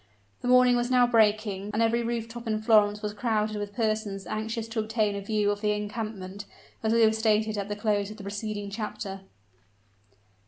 The morning was now breaking: and every roof top in Florence was crowded with persons anxious to obtain a view of the encampment, as we have stated at the close of the preceding chapter.